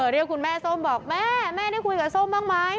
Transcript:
เรียกคุณแม่ส้มบอกแม่แม่ได้คุยกับส้มบ้างไหม